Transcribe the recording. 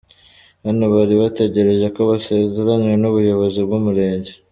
Hano bari bategereje ko basezeranywa n'ubuyobozi bw'Umurenge.